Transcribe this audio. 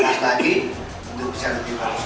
untuk bisa lebih bagus lagi